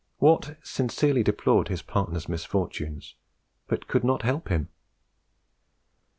Watt sincerely deplored his partner's misfortunes, but could not help him.